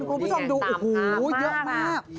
คุณผู้ชมดูเยอะมาก